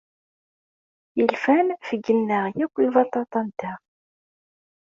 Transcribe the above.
Ilfan fegglen-aɣ akk lbaṭaṭa-nteɣ.